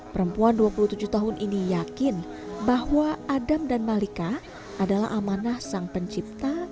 perempuan dua puluh tujuh tahun ini yakin bahwa adam dan malika adalah amanah sang pencipta